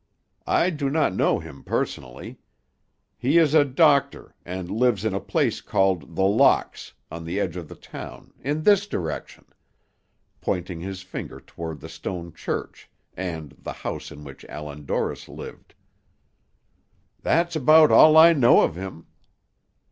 I do not know him personally. He is a doctor, and lives in a place called 'The Locks,' on the edge of the town, in this direction," pointing his finger toward the stone church, and the house in which Allan Dorris lived. "That's about all I know of him."